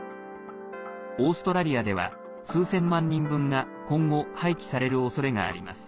オーストラリアでは数千万人分が今後廃棄されるおそれがあります。